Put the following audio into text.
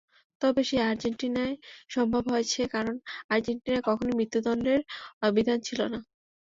তবে সেটা আর্জেন্টিনায় সম্ভব হয়েছে, কারণ আর্জেন্টিনায় কখনোই মৃত্যুদণ্ডের বিধান ছিল না।